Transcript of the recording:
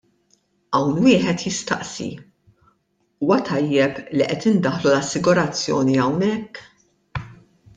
Hawn wieħed jistaqsi: Huwa tajjeb li qed indaħħlu l-assigurazzjoni hawnhekk?